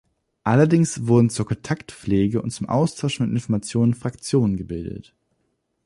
Allerdings wurden zur Kontaktpflege und zum Austausch von Informationen Fraktionen gebildet.